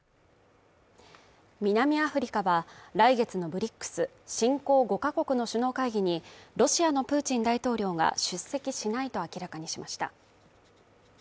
南アフリカは来月のＢＲＩＣｓ＝新興５カ国の首脳会議にロシアのプーチン大統領が出席しないと明らかにしました。